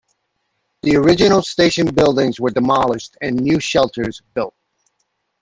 The original station buildings were demolished and new shelters built.